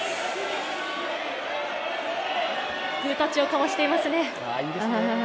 グータッチをかわしていますね。